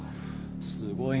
すごいなぁ。